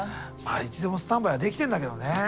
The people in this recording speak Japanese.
まあいつでもスタンバイはできてんだけどね。